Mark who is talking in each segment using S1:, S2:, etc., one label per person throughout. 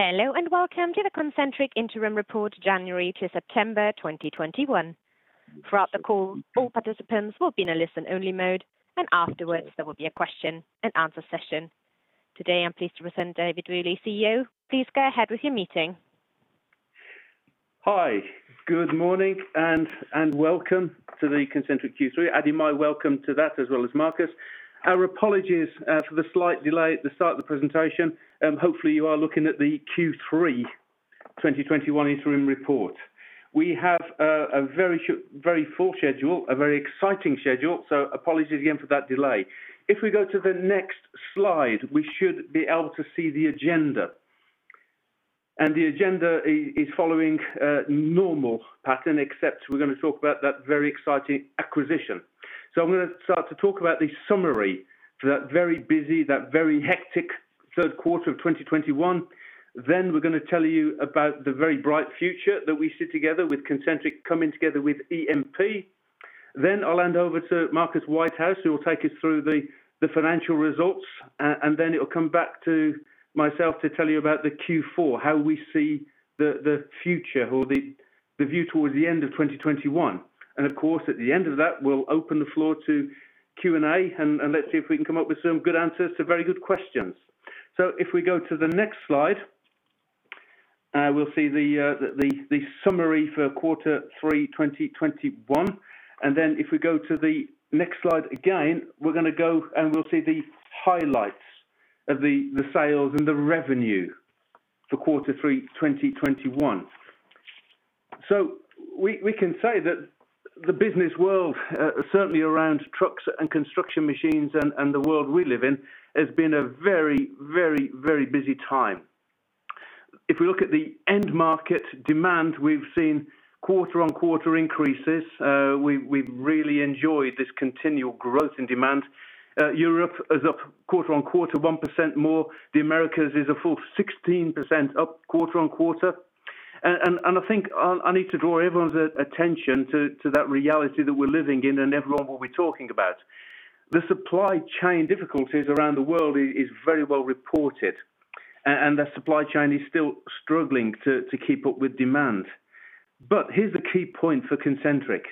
S1: Hello, and welcome to the Concentric Interim Report, January to September 2021. Throughout the call, all participants will be in a listen-only mode, and afterwards there will be a question and answer session. Today, I am pleased to present David Woolley, CEO. Please go ahead with your meeting.
S2: Hi. Good morning and welcome to the Concentric Q3. Adding my welcome to that as well as Marcus. Our apologies for the slight delay at the start of the presentation. Hopefully, you are looking at the Q3 2021 interim report. We have a very full schedule, a very exciting schedule, so apologies again for that delay. If we go to the next slide, we should be able to see the agenda. The agenda is following a normal pattern, except we're gonna talk about that very exciting acquisition. I'm gonna start to talk about the summary for that very busy, very hectic third quarter of 2021. We're gonna tell you about the very bright future that we see together with Concentric coming together with EMP. I'll hand over to Marcus Whitehouse, who will take us through the financial results. It will come back to myself to tell you about the Q4, how we see the future or the view towards the end of 2021. Of course, at the end of that, we'll open the floor to Q&A and let's see if we can come up with some good answers to very good questions. If we go to the next slide, we'll see the summary for quarter three 2021. If we go to the next slide again, we're gonna go and we'll see the highlights of the sales and the revenue for quarter three 2021. We can say that the business world certainly around trucks and construction machines and the world we live in has been a very busy time. If we look at the end market demand, we've seen quarter-over-quarter increases. We've really enjoyed this continual growth in demand. Europe is up quarter-over-quarter 1% more. The Americas is up a full 16% quarter-over-quarter. I think I need to draw everyone's attention to that reality that we're living in and everyone will be talking about. The supply chain difficulties around the world is very well reported, and the supply chain is still struggling to keep up with demand. Here's the key point for Concentric.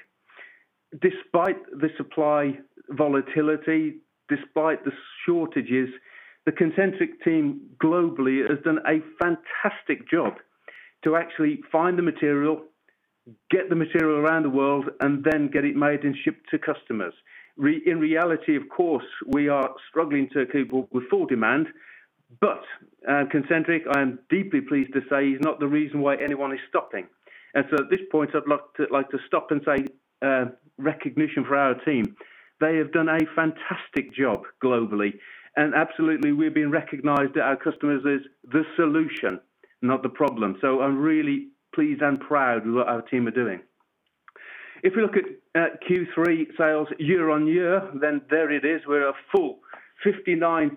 S2: Despite the supply volatility, despite the shortages, the Concentric team globally has done a fantastic job to actually find the material, get the material around the world, and then get it made and shipped to customers. In reality, of course, we are struggling to keep up with full demand. Concentric, I am deeply pleased to say, is not the reason why anyone is stopping. At this point, I'd like to stop and say, recognition for our team. They have done a fantastic job globally. Absolutely, we're being recognized at our customers as the solution, not the problem. I'm really pleased and proud with what our team are doing. If we look at Q3 sales year-on-year, then there it is. We're a full 59%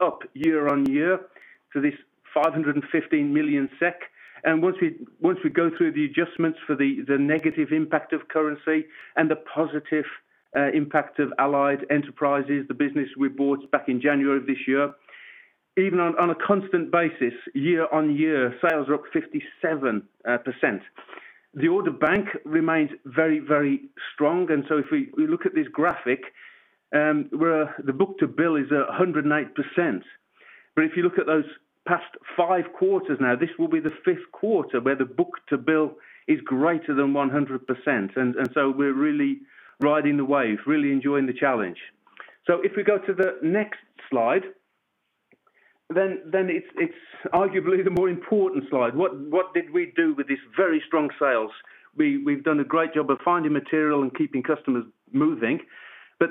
S2: up year-on-year to this 515 million SEK. Once we go through the adjustments for the negative impact of currency and the positive impact of Allied Enterprises, the business we bought back in January of this year, even on a constant basis, year-on-year sales are up 57%. The order bank remains very strong. If we look at this graphic where the book-to-bill is 108%. If you look at those past five quarters now, this will be the fifth quarter where the book-to-bill is greater than 100%. We're really riding the wave, really enjoying the challenge. If we go to the next slide, then it's arguably the more important slide. What did we do with this very strong sales? We've done a great job of finding material and keeping customers moving.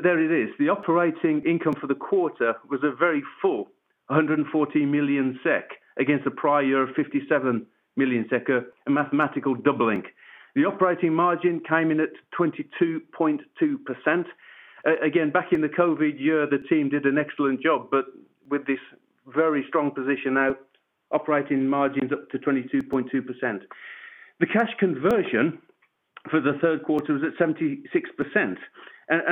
S2: There it is. The operating income for the quarter was 114 million SEK against the prior year of 57 million SEK, a mathematical doubling. The operating margin came in at 22.2%. Again, back in the COVID year, the team did an excellent job, but with this very strong position now, operating margins up to 22.2%. The cash conversion for the third quarter was at 76%.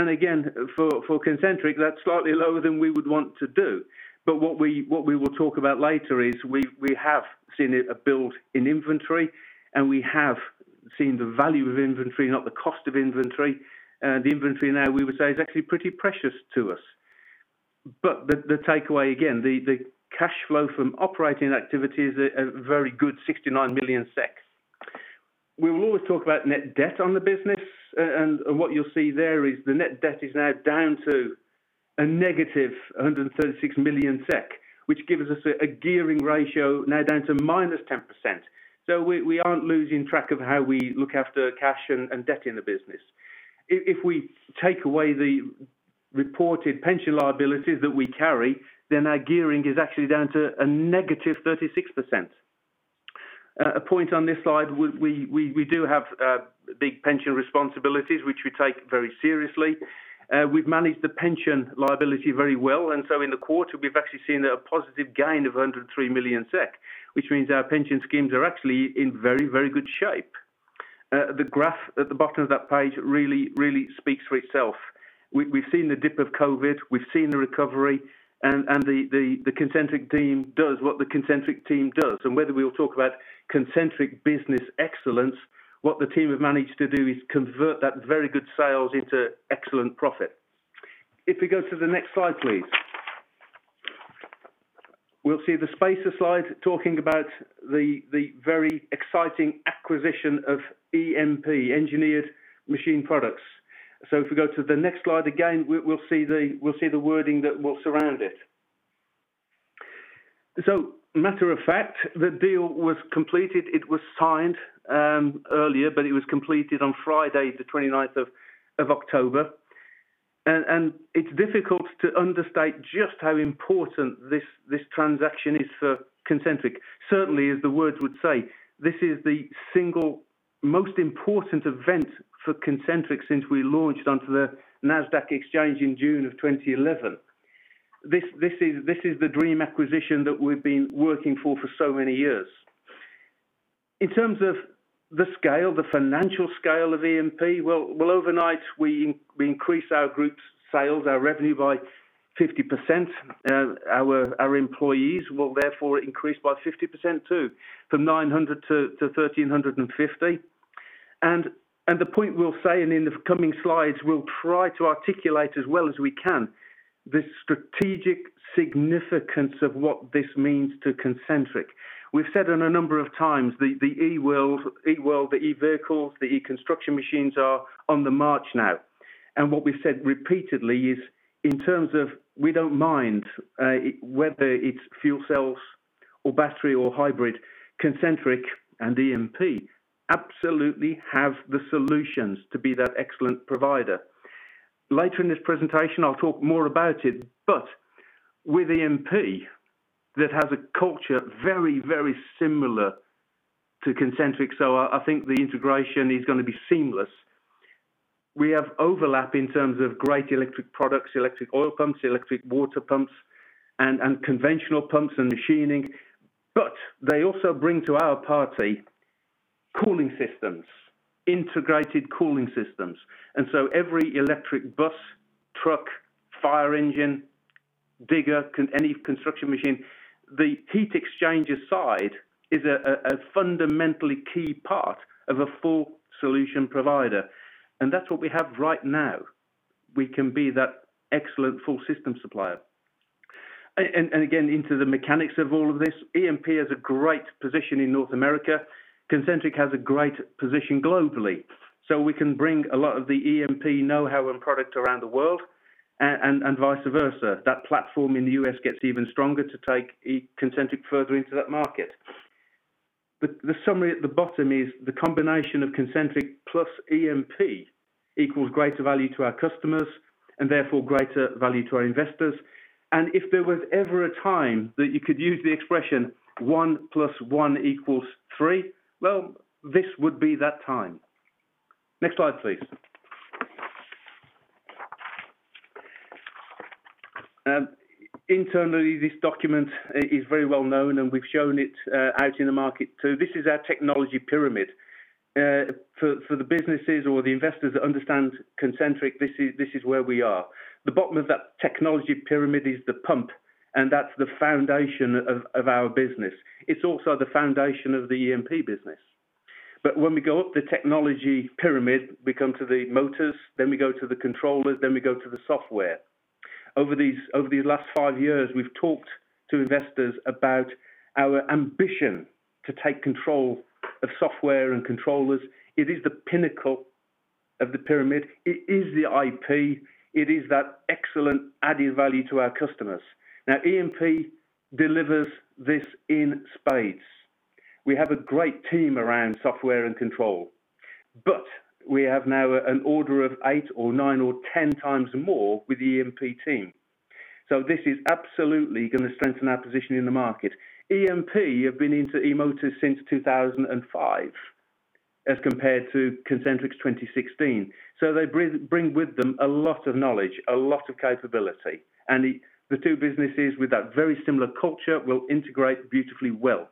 S2: Again, for Concentric, that's slightly lower than we would want to do. What we will talk about later is we have seen a build in inventory, and we have seen the value of inventory, not the cost of inventory. The inventory now we would say is actually pretty precious to us. The takeaway again, the cash flow from operating activities is a very good 69 million SEK. We will always talk about net debt on the business. What you'll see there is the net debt is now down to -136 million SEK, which gives us a gearing ratio now down to -10%. We aren't losing track of how we look after cash and debt in the business. If we take away the reported pension liabilities that we carry, then our gearing is actually down to -36%. A point on this slide, we do have big pension responsibilities which we take very seriously. We've managed the pension liability very well, and in the quarter we've actually seen a positive gain of 103 million SEK, which means our pension schemes are actually in very, very good shape. The graph at the bottom of that page really speaks for itself. We've seen the dip of COVID, we've seen the recovery, and the Concentric team does what the Concentric team does. Whether we all talk about Concentric Business Excellence, what the team have managed to do is convert that very good sales into excellent profit. If we go to the next slide, please. We'll see the spacer slide talking about the very exciting acquisition of EMP, Engineered Machined Products. If we go to the next slide, again, we'll see the wording that will surround it. Matter of fact, the deal was completed. It was signed earlier, but it was completed on Friday the twenty-ninth of October. It's difficult to understate just how important this transaction is for Concentric. Certainly, as the words would say, this is the single most important event for Concentric since we launched onto the Nasdaq exchange in June 2011. This is the dream acquisition that we've been working for so many years. In terms of the scale, the financial scale of EMP, overnight, we increase our group's sales, our revenue by 50%. Our employees will therefore increase by 50%, too, from 900 to 1,350. The point we'll say, in the coming slides, we'll try to articulate as well as we can the strategic significance of what this means to Concentric. We've said on a number of times the eWorld, the eVehicles, the eConstruction machines are on the march now. What we said repeatedly is in terms of we don't mind whether it's fuel cells or battery or hybrid, Concentric and EMP absolutely have the solutions to be that excellent provider. Later in this presentation, I'll talk more about it. With EMP, that has a culture very, very similar to Concentric, so I think the integration is gonna be seamless. We have overlap in terms of great electric products, electric oil pumps, electric water pumps, and conventional pumps and machining. They also bring to our party cooling systems, integrated cooling systems. Every electric bus, truck, fire engine, digger, any construction machine, the heat exchanger side is fundamentally key part of a full solution provider. That's what we have right now. We can be that excellent full system supplier. And again, into the mechanics of all of this, EMP has a great position in North America. Concentric has a great position globally. We can bring a lot of the EMP know-how and product around the world, and vice versa. That platform in the U.S. gets even stronger to take Concentric further into that market. The summary at the bottom is the combination of Concentric plus EMP equals greater value to our customers and therefore greater value to our investors. If there was ever a time that you could use the expression one plus one equals three, well, this would be that time. Next slide, please. Internally, this document is very well known, and we've shown it out in the market too. This is our technology pyramid. For the businesses or the investors that understand Concentric, this is where we are. The bottom of that technology pyramid is the pump, and that's the foundation of our business. It's also the foundation of the EMP business. When we go up the technology pyramid, we come to the motors, then we go to the controllers, then we go to the software. Over these last five years, we've talked to investors about our ambition to take control of software and controllers. It is the pinnacle of the pyramid. It is the IP. It is that excellent added value to our customers. Now, EMP delivers this in spades. We have a great team around software and control, but we have now an order of 8 or 9 or 10 times more with the EMP team. This is absolutely gonna strengthen our position in the market. EMP have been into eMotors since 2005, as compared to Concentric's 2016. They bring with them a lot of knowledge, a lot of capability. The two businesses with that very similar culture will integrate beautifully well.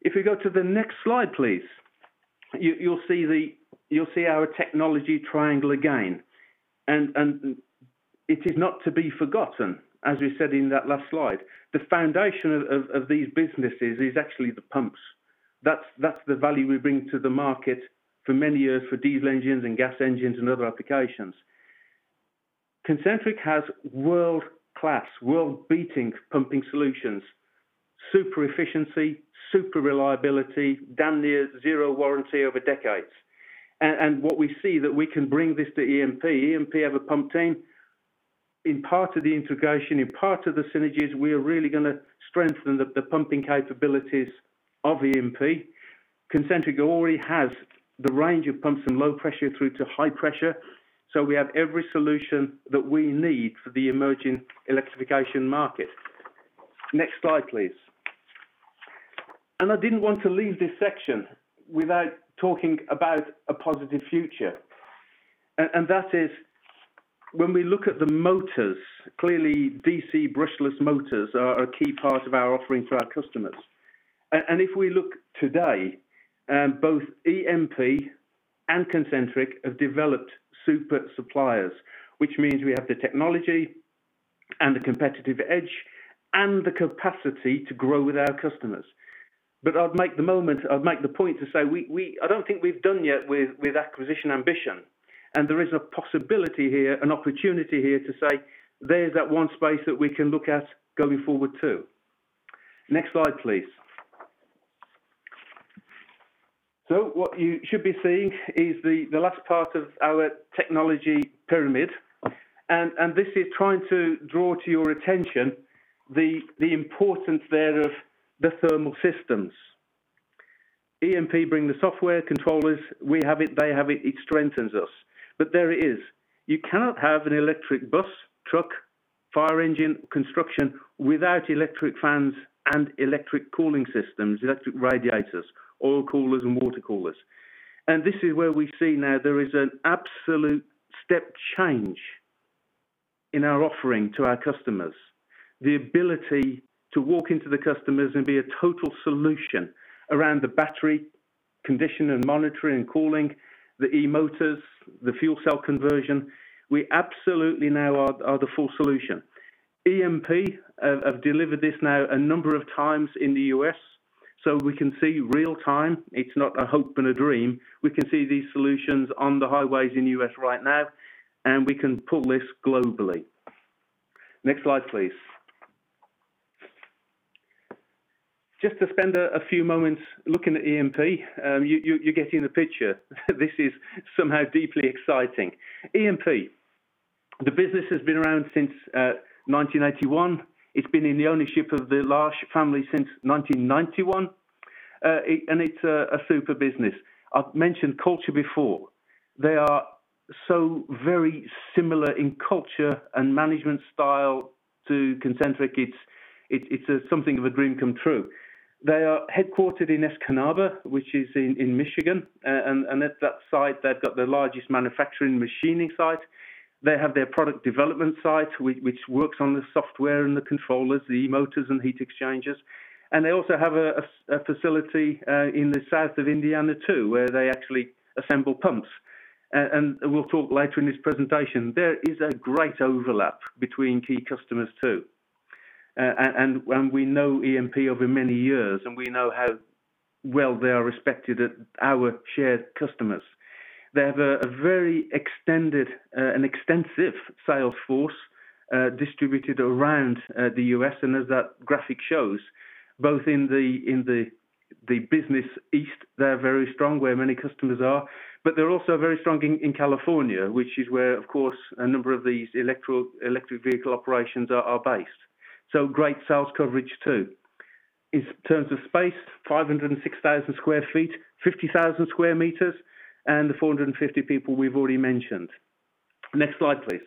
S2: If you go to the next slide, please. You'll see our technology triangle again. It is not to be forgotten, as we said in that last slide. The foundation of these businesses is actually the pumps. That's the value we bring to the market for many years for diesel engines and gas engines and other applications. Concentric has world-class, world-beating pumping solutions, super efficiency, super reliability, damn near zero warranty over decades. What we see that we can bring this to EMP. EMP have a pump team. In part of the integration, in part of the synergies, we are really gonna strengthen the pumping capabilities of EMP. Concentric already has the range of pumps from low pressure through to high pressure, so we have every solution that we need for the emerging electrification market. Next slide, please. I didn't want to leave this section without talking about a positive future. That is when we look at the motors, clearly DC brushless motors are a key part of our offering for our customers. If we look today, both EMP and Concentric have developed super suppliers, which means we have the technology and the competitive edge and the capacity to grow with our customers. I'd make the point to say we, I don't think we've done yet with acquisition ambition, and there is a possibility here, an opportunity here to say there's that one space that we can look at going forward too. Next slide, please. What you should be seeing is the last part of our technology pyramid, and this is trying to draw to your attention the importance there of the thermal systems. EMP bring the software controllers. We have it, they have it strengthens us. There it is. You cannot have an electric bus, truck, fire engine, construction without electric fans and electric cooling systems, electric radiators, oil coolers and water coolers. This is where we see now there is an absolute step change in our offering to our customers. The ability to walk into the customers and be a total solution around the battery condition and monitoring and cooling, the e-motors, the fuel cell conversion. We absolutely now are the full solution. EMP have delivered this now a number of times in the U.S., so we can see real time. It's not a hope and a dream. We can see these solutions on the highways in the U.S. right now, and we can pull this globally. Next slide, please. Just to spend a few moments looking at EMP, you're getting the picture. This is somehow deeply exciting. EMP, the business has been around since 1981. It's been in the ownership of the Larche family since 1991. It's a super business. I've mentioned culture before. They are so very similar in culture and management style to Concentric. It's something of a dream come true. They are headquartered in Escanaba, which is in Michigan. At that site they've got the largest manufacturing machining site. They have their product development site which works on the software and the controllers, the e-motors and heat exchangers. They also have a facility in the south of Indiana too, where they actually assemble pumps. We'll talk later in this presentation. There is a great overlap between key customers, too. We know EMP over many years, and we know how well they are respected at our shared customers. They have an extensive sales force distributed around the U.S. and as that graphic shows, both in the East, they're very strong where many customers are, but they're also very strong in California, which is where of course a number of these electric vehicle operations are based. Great sales coverage too. In terms of space, 506,000 sq ft, 50,000 sq m, and the 450 people we've already mentioned. Next slide, please.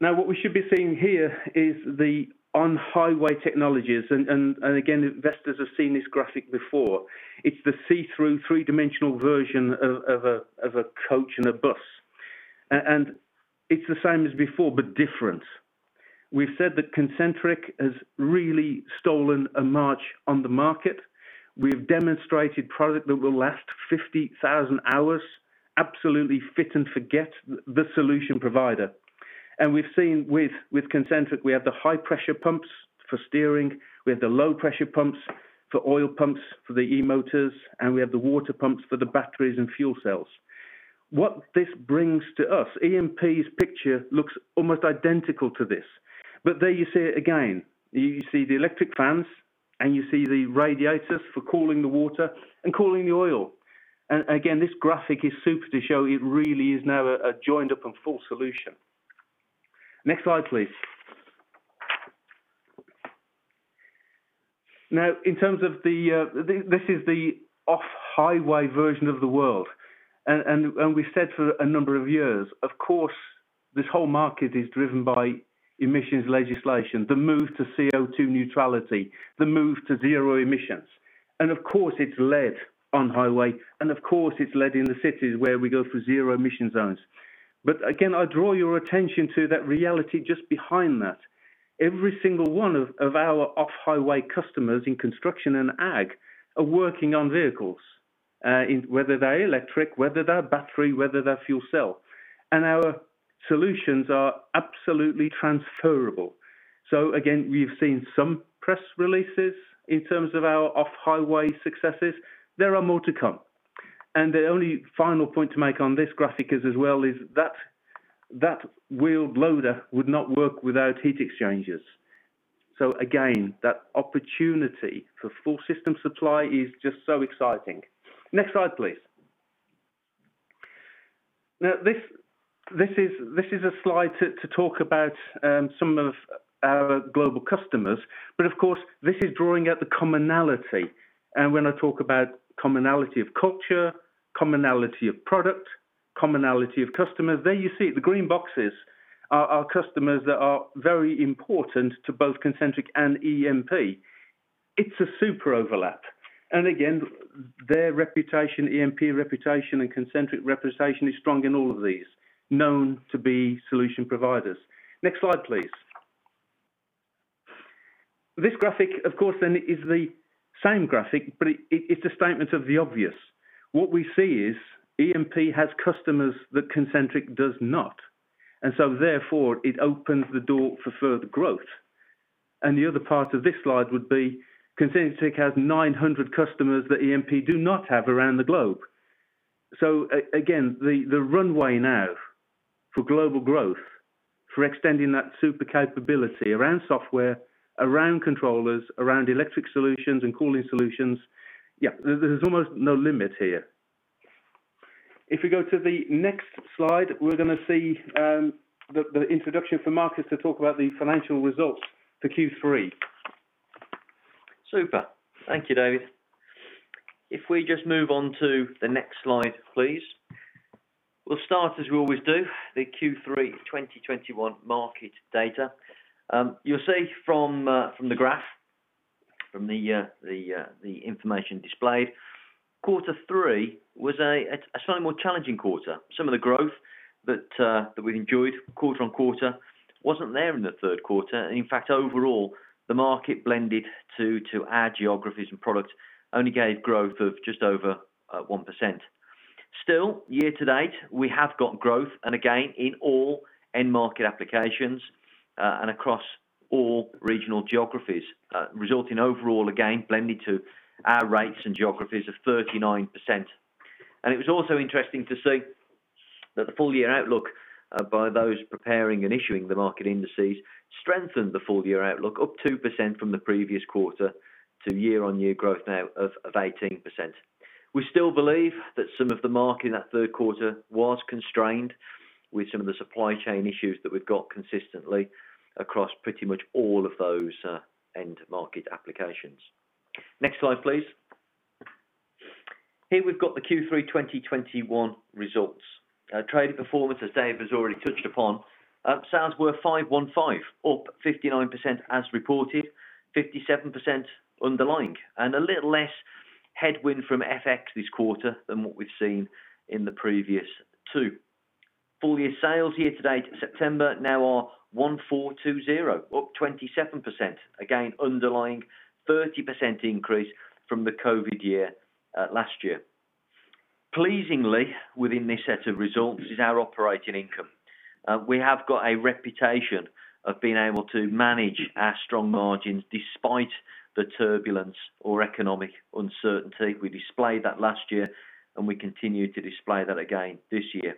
S2: Now what we should be seeing here is the on-highway technologies and again, investors have seen this graphic before. It's the see-through three-dimensional version of a coach and a bus. It's the same as before, but different. We've said that Concentric has really stolen a march on the market. We've demonstrated product that will last 50,000 hours, absolutely fit and forget the solution provider. We've seen with Concentric, we have the high-pressure pumps for steering, we have the low-pressure pumps for oil pumps for the e-motors, and we have the water pumps for the batteries and fuel cells. What this brings to us, EMP's picture looks almost identical to this. There you see it again. You see the electric fans and you see the radiators for cooling the water and cooling the oil. This graphic is super to show it really is now a joined up and full solution. Next slide, please. Now in terms of the, this is the off-highway version of the world. We said for a number of years, of course this whole market is driven by emissions legislation, the move to CO2 neutrality, the move to zero emissions. Of course it's led on highway and of course it's led in the cities where we go for zero emission zones. But again, I draw your attention to that reality just behind that. Every single one of our off-highway customers in construction and Ag are working on vehicles, in whether they're electric, whether they're battery, whether they're fuel cell. Our solutions are absolutely transferable. Again, we've seen some press releases in terms of our off-highway successes. There are more to come. The only final point to make on this graphic is that wheeled loader would not work without heat exchangers. Again, that opportunity for full system supply is just so exciting. Next slide, please. Now this is a slide to talk about some of our global customers, but of course this is drawing out the commonality. When I talk about commonality of culture, commonality of product, commonality of customers. There you see the green boxes are customers that are very important to both Concentric and EMP. It's a super overlap and again, their reputation, EMP reputation, and Concentric reputation is strong in all of these, known to be solution providers. Next slide, please. This graphic of course then is the same graphic, but it is a statement of the obvious. What we see is EMP has customers that Concentric does not, and therefore it opens the door for further growth. The other part of this slide would be Concentric has 900 customers that EMP do not have around the globe. Again, the runway now for global growth, for extending that super capability around software, around controllers, around electric solutions and cooling solutions. Yeah, there's almost no limit here. If we go to the next slide, we're gonna see the introduction for Marcus to talk about the financial results for Q3.
S3: Super. Thank you, David. If we just move on to the next slide, please. We'll start as we always do, the Q3 2021 market data. You'll see from the information displayed, quarter three was a slightly more challenging quarter. Some of the growth that we've enjoyed quarter-on-quarter wasn't there in the third quarter. In fact overall, the market blended to our geographies and products only gave growth of just over 1%. Still, year to date, we have got growth and again, in all end market applications and across all regional geographies, resulting overall again blending to our rates and geographies of 39%. It was also interesting to see that the full-year outlook by those preparing and issuing the market indices strengthened the full-year outlook up 2% from the previous quarter to year-on-year growth now of 18%. We still believe that some of the market in that third quarter was constrained with some of the supply chain issues that we've got consistently across pretty much all of those end market applications. Next slide, please. Here we've got the Q3 2021 results. Our trading performance, as Dave has already touched upon, sales were 515 million up 59% as reported, 57% underlying, and a little less headwind from FX this quarter than what we've seen in the previous two. Full-year sales year-to-date September now are 1,420 million, up 27%. Again, underlying 30% increase from the COVID year last year. Pleasingly within this set of results is our operating income. We have got a reputation of being able to manage our strong margins despite the turbulence or economic uncertainty. We displayed that last year, and we continue to display that again this year.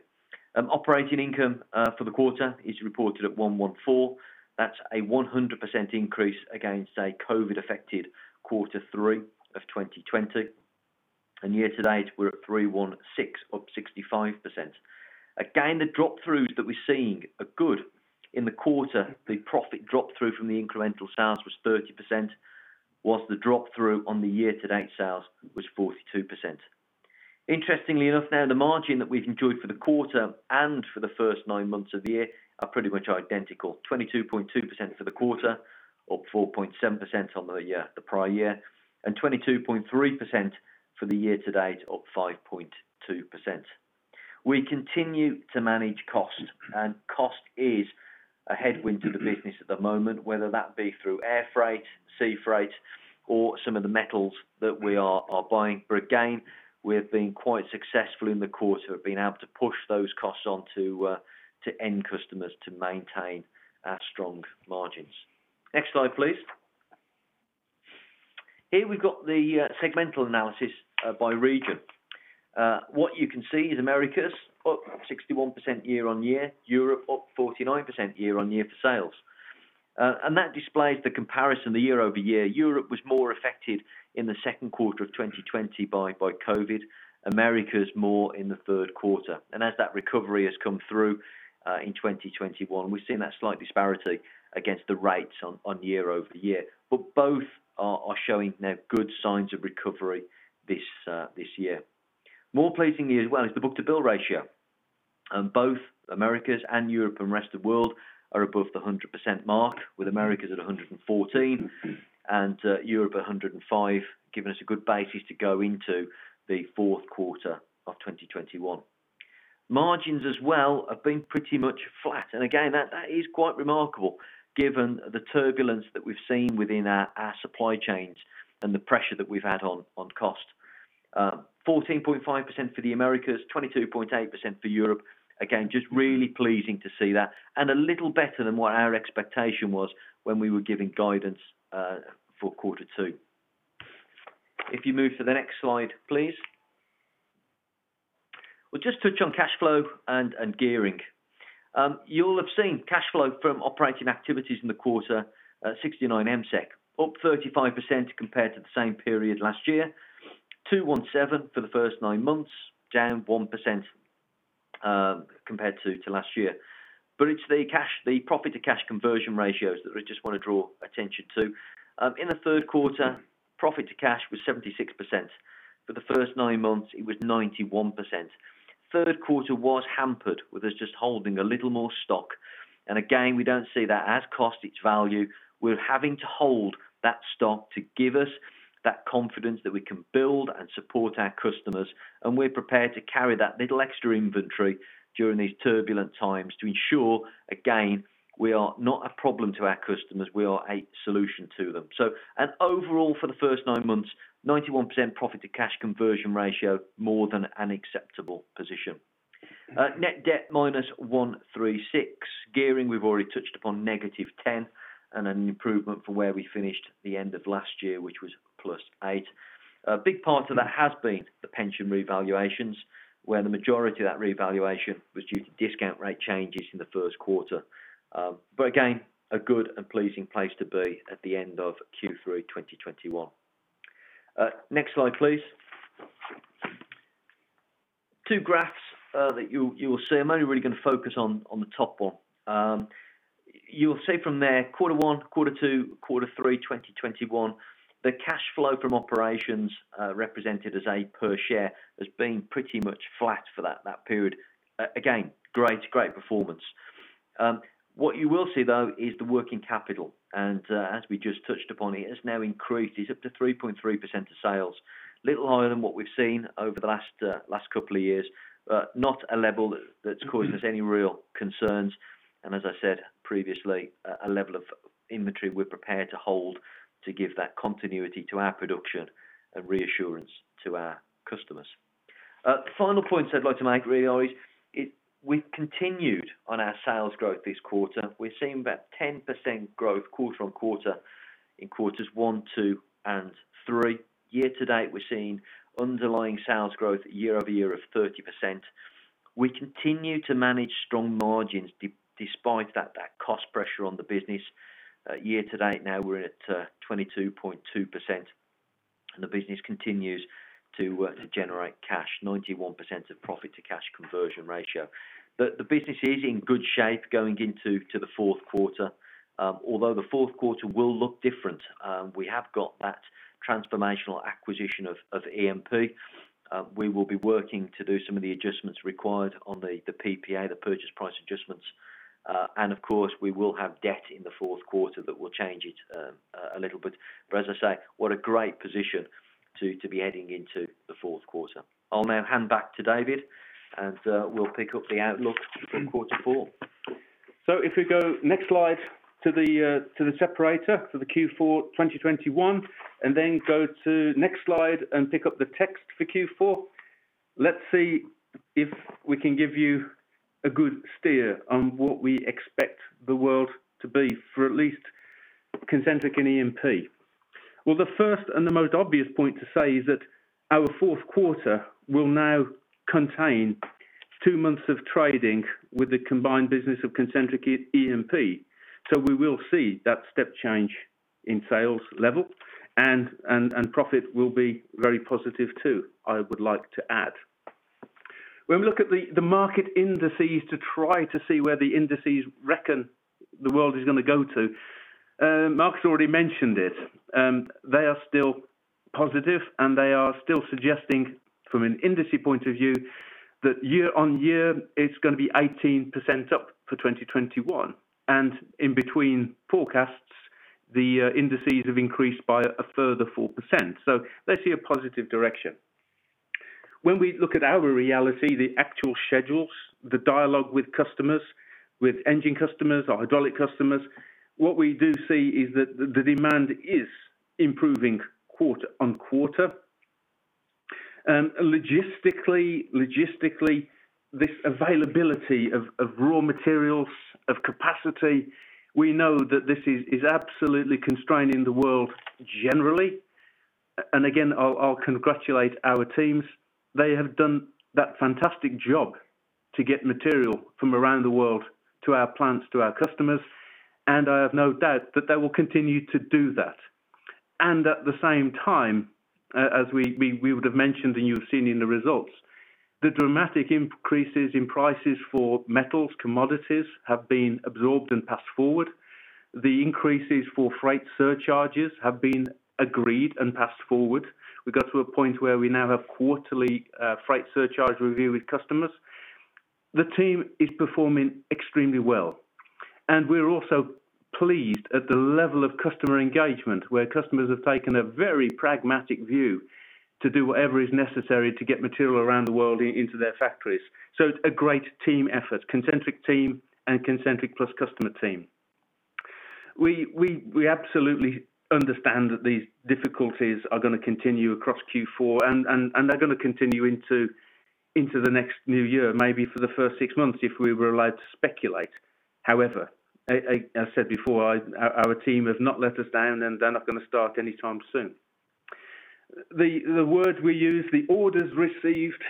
S3: Operating income for the quarter is reported at MSEK 114. That's a 100% increase against a COVID affected Q3 2020. Year to date we're at MSEK 316, up 65%. Again, the drop-throughs that we're seeing are good. In the quarter, the profit drop through from the incremental sales was 30%, while the drop through on the year to date sales was 42%. Interestingly enough now the margin that we've enjoyed for the quarter and for the first nine months of the year are pretty much identical. 22.2% for the quarter, up 4.7% on the year, the prior year, and 22.3% for the year to date, up 5.2%. We continue to manage cost, and cost is a headwind to the business at the moment, whether that be through air freight, sea freight, or some of the metals that we are buying. But again, we've been quite successful in the quarter of being able to push those costs on to end customers to maintain our strong margins. Next slide, please. Here we've got the segmental analysis by region. What you can see is Americas up 61% year-on-year, Europe up 49% year-on-year for sales. That displays the comparison year-over-year. Europe was more affected in the second quarter of 2020 by COVID, Americas more in the third quarter. As that recovery has come through in 2021, we've seen that slight disparity against the rates on year-over-year. Both are showing now good signs of recovery this year. More pleasingly as well is the book-to-bill ratio. Both Americas and Europe and Rest of World are above the 100% mark, with Americas at 114% and Europe at 105%, giving us a good basis to go into the fourth quarter of 2021. Margins as well have been pretty much flat. Again, that is quite remarkable given the turbulence that we've seen within our supply chains and the pressure that we've had on cost. 14.5% for the Americas, 22.8% for Europe. Again, just really pleasing to see that and a little better than what our expectation was when we were giving guidance for quarter two. If you move to the next slide, please. We'll just touch on cash flow and gearing. You'll have seen cash flow from operating activities in the quarter at MSEK 69, up 35% compared to the same period last year. 217 for the first nine months, down 1%, compared to last year. It's the profit to cash conversion ratios that I just wanna draw attention to. In the third quarter, profit to cash was 76%. For the first nine months it was 91%. Third quarter was hampered with us just holding a little more stock. Again, we don't see that as cost, it's value. We're having to hold that stock to give us that confidence that we can build and support our customers, and we're prepared to carry that little extra inventory during these turbulent times to ensure, again, we are not a problem to our customers, we are a solution to them. Overall, for the first nine months, 91% profit to cash conversion ratio, more than an acceptable position. Net debt MSEK -136. Gearing, we've already touched upon -10%, and an improvement from where we finished the end of last year, which was +8%. A big part of that has been the pension revaluations, where the majority of that revaluation was due to discount rate changes in the first quarter. Again, a good and pleasing place to be at the end of Q3 in 2021. Next slide, please. Two graphs that you will see. I'm only really gonna focus on the top one. You'll see from there quarter one, quarter two, quarter three 2021, the cash flow from operations, represented as a per share, has been pretty much flat for that period. Again, great performance. What you will see though is the working capital, and as we just touched upon, it has now increased. It's up to 3.3% of sales. little higher than what we've seen over the last couple of years, but not a level that's causing us any real concerns. As I said previously, a level of inventory we're prepared to hold to give that continuity to our production and reassurance to our customers. The final point I'd like to make really is we've continued on our sales growth this quarter. We're seeing about 10% growth quarter on quarter in quarters one, two, and three. Year to date, we're seeing underlying sales growth year over year of 30%. We continue to manage strong margins despite that cost pressure on the business. Year to date now we're at 22.2%, and the business continues to generate cash. 91% of profit to cash conversion ratio. The business is in good shape going into the fourth quarter, although the fourth quarter will look different. We have got that transformational acquisition of EMP. We will be working to do some of the adjustments required on the PPA, the Purchase Price Adjustment. Of course, we will have debt in the fourth quarter that will change it a little bit. As I say, what a great position to be heading into the fourth quarter. I'll now hand back to David, and we'll pick up the outlook for quarter four.
S2: If we go next slide to the separator for the Q4 2021, and then go to next slide and pick up the text for Q4. Let's see if we can give you a good steer on what we expect the world to be for at least Concentric and EMP. Well, the first and the most obvious point to say is that our fourth quarter will now contain 2 months of trading with the combined business of Concentric and EMP. We will see that step change in sales level and profit will be very positive too, I would like to add. When we look at the market indices to try to see where the indices reckon the world is gonna go to, Marcus has already mentioned it, they are still positive, and they are still suggesting from an industry point of view that year-on-year it's gonna be 18% up for 2021. In between forecasts, the indices have increased by a further 4%. They see a positive direction. When we look at our reality, the actual schedules, the dialogue with customers, with engine customers or hydraulic customers, what we do see is that the demand is improving quarter-on-quarter. Logistically, this availability of raw materials, of capacity, we know that this is absolutely constraining the world generally. Again, I'll congratulate our teams. They have done that fantastic job to get material from around the world to our plants, to our customers, and I have no doubt that they will continue to do that. At the same time, as we would have mentioned and you've seen in the results, the dramatic increases in prices for metals, commodities have been absorbed and passed forward. The increases for freight surcharges have been agreed and passed forward. We got to a point where we now have quarterly freight surcharge review with customers. The team is performing extremely well. We're also pleased at the level of customer engagement, where customers have taken a very pragmatic view to do whatever is necessary to get material around the world into their factories. It's a great team effort, Concentric team and Concentric plus customer team. We absolutely understand that these difficulties are gonna continue across Q4 and they're gonna continue into the next new year, maybe for the first six months if we were allowed to speculate. However, I—as I said before, our team have not let us down, and they're not gonna start anytime soon. The word we use, the orders received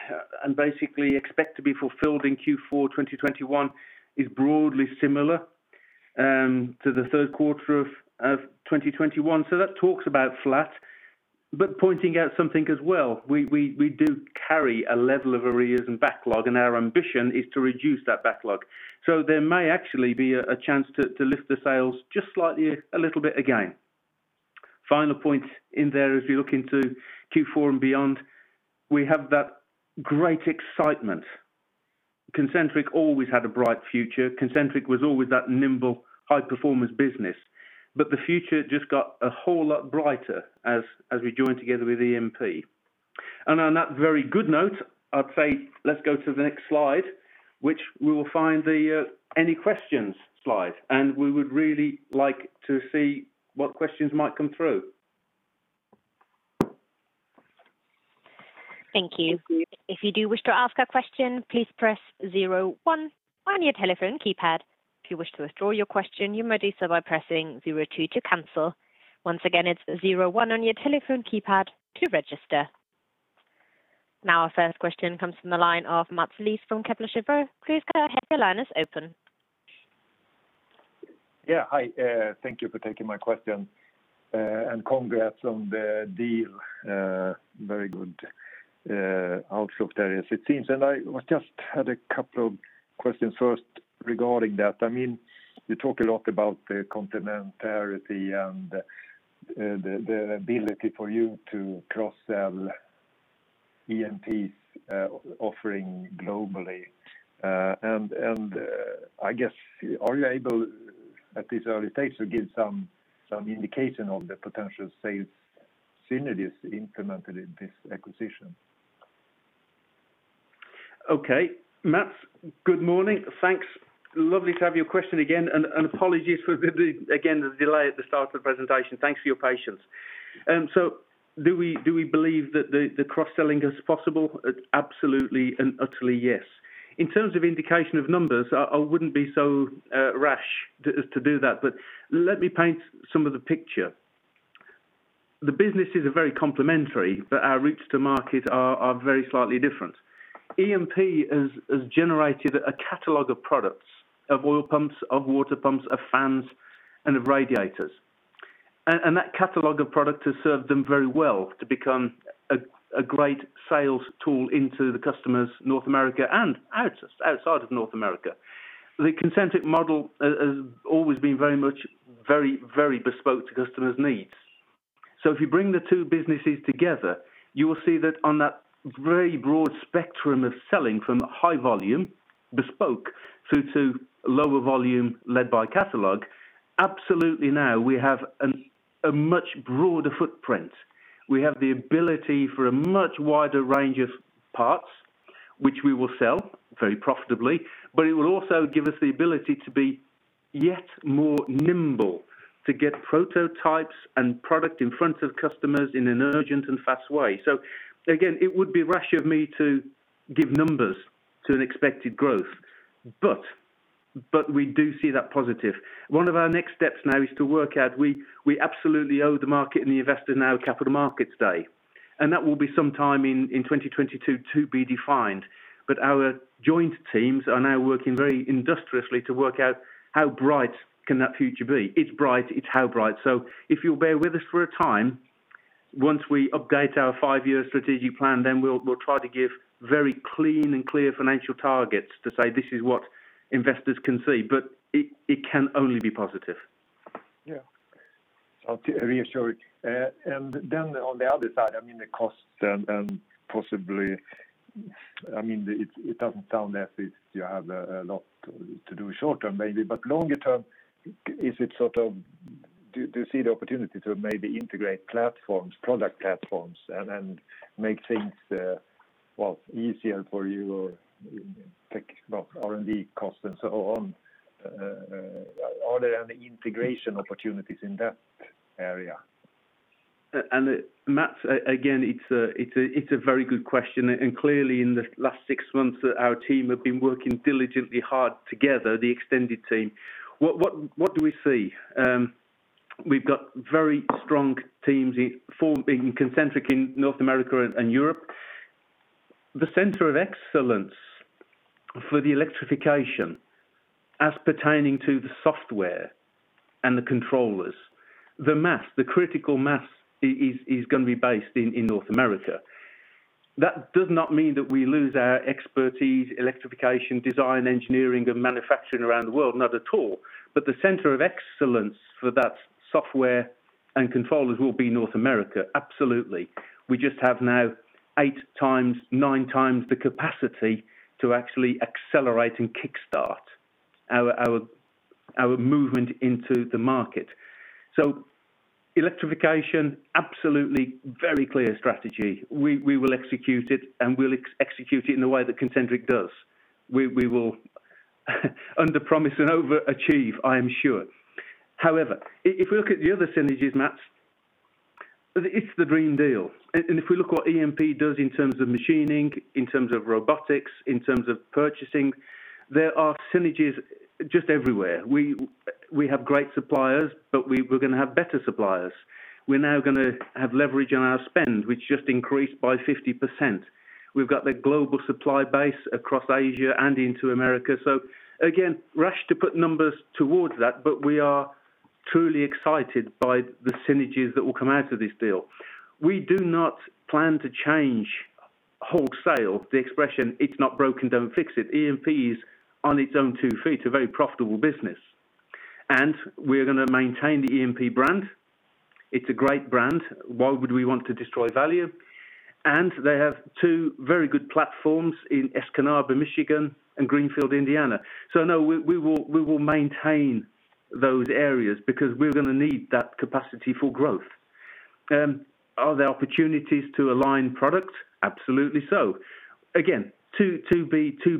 S2: and basically expect to be fulfilled in Q4 2021 is broadly similar to the third quarter of 2021. That talks about flat, but pointing out something as well, we do carry a level of arrears and backlog, and our ambition is to reduce that backlog. There may actually be a chance to lift the sales just slightly a little bit again. Final point in there as we look into Q4 and beyond, we have that great excitement. Concentric always had a bright future. Concentric was always that nimble high-performance business. The future just got a whole lot brighter as we joined together with EMP. On that very good note, I'd say let's go to the next slide, which we will find the any questions slide. We would really like to see what questions might come through.
S1: Thank you. If you do wish to ask a question, please press zero one on your telephone keypad. If you wish to withdraw your question, you may do so by pressing zero two to cancel. Once again, it's zero one on your telephone keypad to register. Now our first question comes from the line of Mats Liss from Kepler Cheuvreux. Please go ahead, your line is open.
S4: Yeah, hi. Thank you for taking my question. Congrats on the deal. Very good outlook there as it seems. I just had a couple of questions first regarding that. I mean, you talk a lot about the complementarity and the ability for you to cross-sell EMP's offering globally. I guess, are you able at this early stage to give some indication on the potential sales synergies implemented in this acquisition?
S2: Okay. Mats, good morning. Thanks. Lovely to have your question again and apologies for the delay at the start of the presentation. Thanks for your patience. So do we believe that the cross-selling is possible? Absolutely and utterly yes. In terms of indication of numbers, I wouldn't be so rash to do that, but let me paint some of the picture. The businesses are very complementary, but our routes to market are very slightly different. EMP has generated a catalog of products, of oil pumps, of water pumps, of fans and of radiators. That catalog of product has served them very well to become a great sales tool into the customers North America and outside of North America. The Concentric model has always been very much very bespoke to customers' needs. If you bring the two businesses together, you will see that on that very broad spectrum of selling from high volume bespoke through to lower volume led by catalog, absolutely, now we have a much broader footprint. We have the ability for a much wider range of parts, which we will sell very profitably, but it will also give us the ability to be yet more nimble to get prototypes and product in front of customers in an urgent and fast way. Again, it would be rash of me to give numbers to an expected growth, but we do see that positive. One of our next steps now is to work out. We absolutely owe the market and investors a Capital Markets Day. That will be sometime in 2022 to be defined. Our joint teams are now working very industriously to work out how bright can that future be. It's bright, it's how bright. If you'll bear with us for a time, once we update our five-year strategic plan, then we'll try to give very clean and clear financial targets to say this is what investors can see. It can only be positive.
S4: Yeah. Reassuring. On the other side, I mean, the costs and possibly, I mean, it doesn't sound as if you have a lot to do short term maybe, but longer term, is it sort of do you see the opportunity to maybe integrate platforms, product platforms and make things, well, easier for you or take R&D costs and so on? Are there any integration opportunities in that area?
S2: Mats, again, it's a very good question. Clearly in the last six months, our team have been working diligently hard together, the extended team. What do we see? We've got very strong teams in Concentric in North America and Europe. The center of excellence for the electrification as pertaining to the software and the controllers, the critical mass is gonna be based in North America. That does not mean that we lose our expertise, electrification, design, engineering and manufacturing around the world, not at all. The center of excellence for that software and controllers will be North America, absolutely. We just have now eight times, nine times the capacity to actually accelerate and kickstart our movement into the market. Electrification, absolutely very clear strategy. We will execute it, and we'll execute it in the way that Concentric does. We will underpromise and overachieve, I am sure. However, if we look at the other synergies, Mats, it's the dream deal. If we look what EMP does in terms of machining, in terms of robotics, in terms of purchasing, there are synergies just everywhere. We have great suppliers, but we're gonna have better suppliers. We're now gonna have leverage on our spend, which just increased by 50%. We've got the global supply base across Asia and into America. So again, rather to put numbers towards that, but we are truly excited by the synergies that will come out of this deal. We do not plan to change wholesale the operations, if it's not broken, don't fix it. EMP is on its own two feet, a very profitable business. We're gonna maintain the EMP brand. It's a great brand. Why would we want to destroy value? They have two very good platforms in Escanaba, Michigan, and Greenfield, Indiana. No, we will maintain those areas because we're gonna need that capacity for growth. Are there opportunities to align products? Absolutely so. Again, to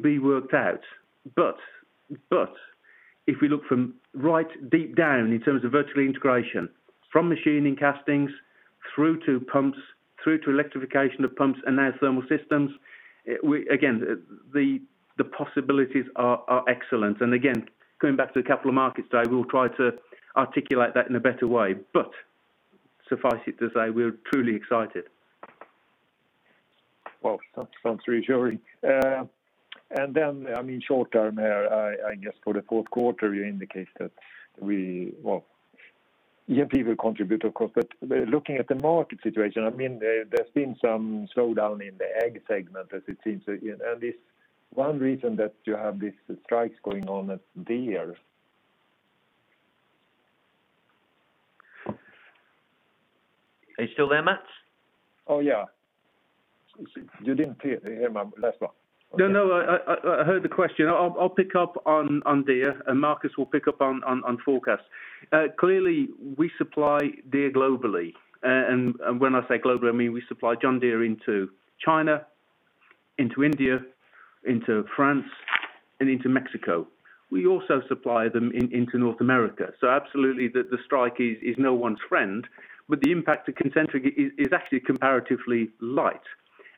S2: be worked out. If we look from raw deep down in terms of vertical integration, from machining castings through to pumps, through to electrification of pumps and now thermal systems, we again, the possibilities are excellent. Going back to the Capital Markets Day, we'll try to articulate that in a better way. Suffice it to say we're truly excited.
S4: Well, that sounds reassuring. I mean, short term here, I guess for the fourth quarter, you indicate that EMP will contribute, of course. Looking at the market situation, I mean, there's been some slowdown in the Ag segment as it seems. Is one reason that you have these strikes going on at Deere?
S2: Are you still there, Mats?
S4: Oh, yeah. You didn't hear my last one?
S2: No, I heard the question. I'll pick up on Deere, and Marcus will pick up on forecast. Clearly we supply Deere globally. When I say globally, I mean, we supply John Deere into China, into India, into France, and into Mexico. We also supply them into North America. Absolutely the strike is no one trend, but the impact to Concentric is actually comparatively light.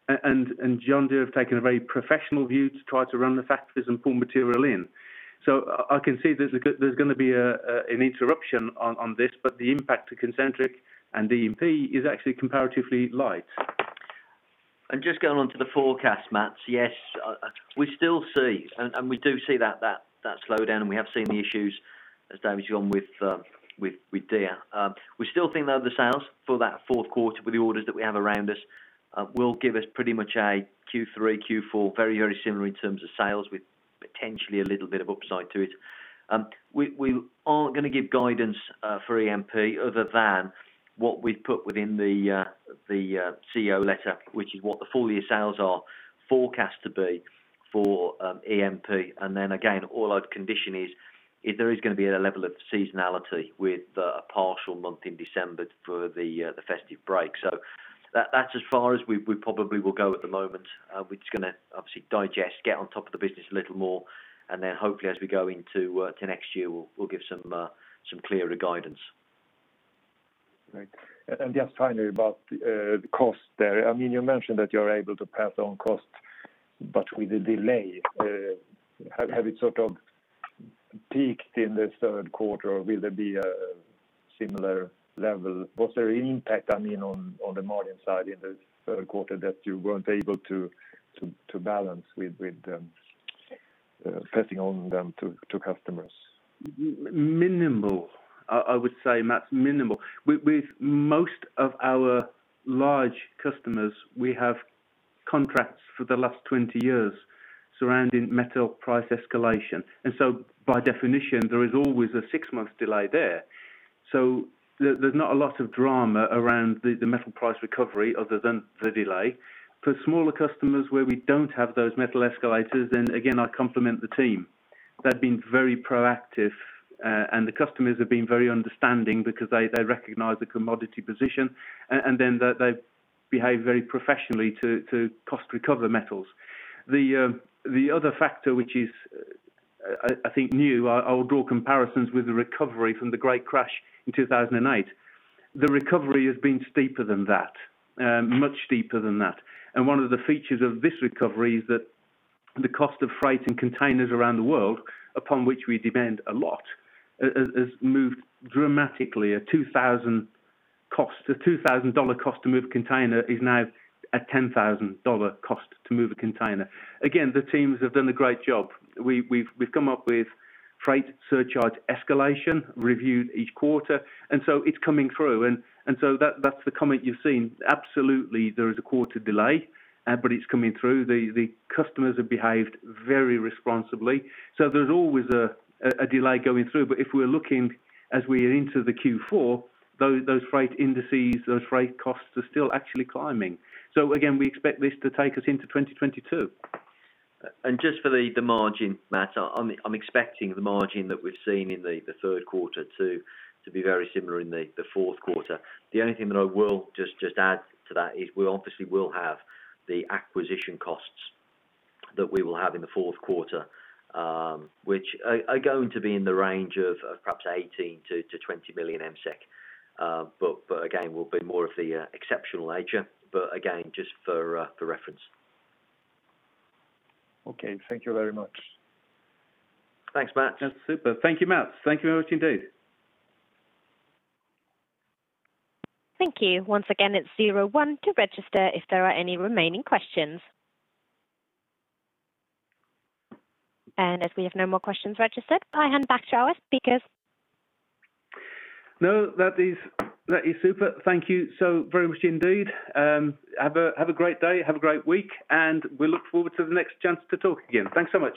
S2: John Deere have taken a very professional view to try to run the factories and pull material in. I can see there's gonna be an interruption on this, but the impact to Concentric and EMP is actually comparatively light.
S3: Just going on to the forecast, Mats. Yes, we still see and we do see that slowdown, and we have seen the issues as David's gone with Deere. We still think that the sales for that fourth quarter with the orders that we have around us will give us pretty much a Q3, Q4, very similar in terms of sales with potentially a little bit of upside to it. We aren't gonna give guidance for EMP other than what we've put within the CEO letter, which is what the full year sales are forecast to be for EMP. Then again, all that condition is there is gonna be a level of seasonality with a partial month in December for the festive break. That's as far as we probably will go at the moment. We're just gonna obviously digest, get on top of the business a little more, and then hopefully as we go into next year, we'll give some clearer guidance.
S4: Right. Just finally about the cost there. I mean, you mentioned that you're able to pass on cost, but with the delay, have it sort of peaked in the third quarter or will there be a similar level? Was there an impact, I mean, on the margin side in the third quarter that you weren't able to balance with passing on them to customers?
S2: Minimal. I would say, Mats, minimal. With most of our large customers, we have contracts for the last 20 years surrounding metal price escalation. By definition, there is always a six-month delay there. There's not a lot of drama around the metal price recovery other than the delay. For smaller customers where we don't have those metal escalators, then again, I compliment the team. They've been very proactive, and the customers have been very understanding because they recognize the commodity position, and then they behave very professionally to cost recover metals. The other factor which is, I think new, I will draw comparisons with the recovery from the great crash in 2008. The recovery has been steeper than that, much steeper than that. One of the features of this recovery is that the cost of freight and containers around the world, upon which we depend a lot, has moved dramatically. A $2000 cost, a $2000 cost to move a container is now a $10,000 cost to move a container. Again, the teams have done a great job. We've come up with freight surcharge escalation reviewed each quarter, and so it's coming through. That's the comment you've seen. Absolutely, there is a quarter delay, but it's coming through. The customers have behaved very responsibly. There's always a delay going through. If we're looking as we are into the Q4, those freight indices, those freight costs are still actually climbing. Again, we expect this to take us into 2022.
S3: Just for the margin, Mats, I'm expecting the margin that we've seen in the third quarter to be very similar in the fourth quarter. The only thing that I will add to that is we obviously will have the acquisition costs that we will have in the fourth quarter, which are going to be in the range of perhaps MSEK 18-20. But again, will be more of the exceptional nature, but again, just for reference.
S4: Okay. Thank you very much.
S3: Thanks, Mats.
S2: That's super. Thank you, Mats. Thank you very much indeed.
S1: Thank you. Once again, it's 01 to register if there are any remaining questions. As we have no more questions registered, I hand back to our speakers.
S2: No, that is super. Thank you so very much indeed. Have a great day. Have a great week, and we look forward to the next chance to talk again. Thanks so much.